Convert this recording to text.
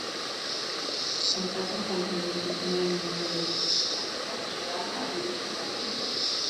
En caso contrario, el sistema inmune del individuo reconocerá al virus como ajeno.